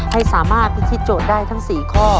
ให้สามารถพิธีโจทย์ได้ทั้ง๔ข้อ